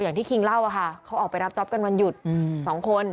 อย่างที่คิงเล่าเขาออกไปรับจอบกันวันหยุด๒คน